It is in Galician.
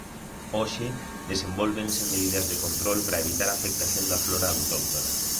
Hoxe desenvólvense medidas de control para evitar a afectación da flora autóctona.